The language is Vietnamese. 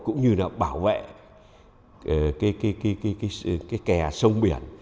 cũng như là bảo vệ cái kè sông biển